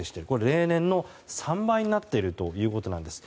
例年の３倍になっているということなんです。